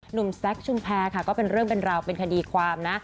แซคชุมแพรค่ะก็เป็นเรื่องเป็นราวเป็นคดีความนะ